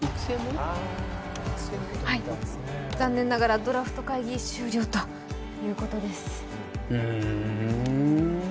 残念ながらドラフト会議終了ということです。